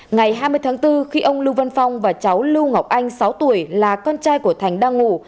ngày hai mươi tháng bốn khi ông lưu văn phong và cháu lưu ngọc anh sáu tuổi là con trai của thành đang ngủ